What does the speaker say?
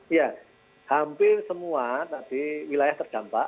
iya hampir semua tadi wilayah terdampak